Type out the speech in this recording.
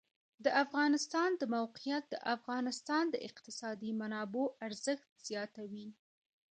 د افغانستان د موقعیت د افغانستان د اقتصادي منابعو ارزښت زیاتوي.